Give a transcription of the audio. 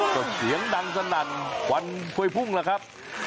ก็เสียงดังสนั่นวันค่วยพุ่งเหรอครับ